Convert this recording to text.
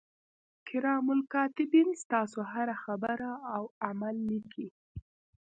کرام الکاتبین ستاسو هره خبره او عمل لیکي.